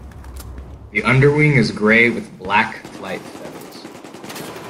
The underwing is grey with black flight feathers.